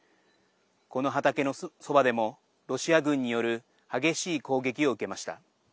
この畑のそばでもロシア軍による激しい攻撃を受けました。